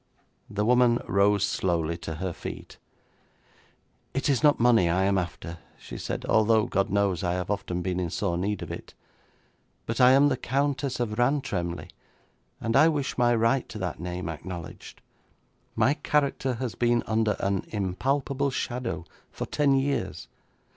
The woman rose slowly to her feet. 'It is not money I am after,' she said, 'although, God knows, I have often been in sore need of it. But I am the Countess of Rantremly, and I wish my right to that name acknowledged. My character has been under an impalpable shadow for ten years.